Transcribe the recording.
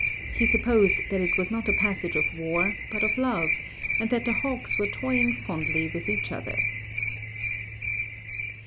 He supposed that it was not a passage of war but of love, and that the hawks were toying fondly with each other.